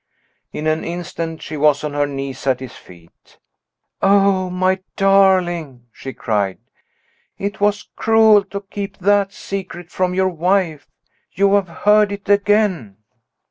In an instant she was on her knees at his feet. "Oh, my darling," she cried, "it was cruel to keep that secret from your wife! You have heard it again!"